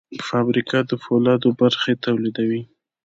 فابریکه د فولادو برخې تولیدوي.